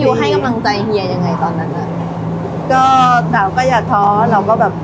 ให้กำลังใจเฮียยังไงตอนนั้นอ่ะก็สาวก็อย่าท้อเราก็แบบ